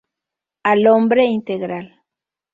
Al hombre integral.